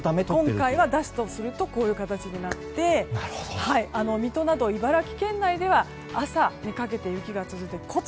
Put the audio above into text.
今回は出すとすると、こういう形で水戸など茨城県内は朝にかけて雪が降ると。